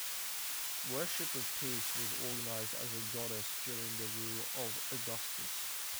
Worship of Peace was organized as a goddess during the rule of Augustus.